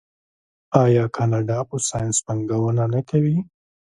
آیا کاناډا په ساینس پانګونه نه کوي؟